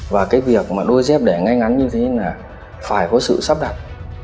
và cái việc mà đôi dép để ngay ngắn như thế là phải có sự sắp đặt